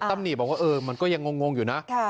ตำหนิบอกว่ามันก็ยังงงอยู่นะ